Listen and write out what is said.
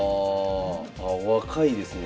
あ若いですね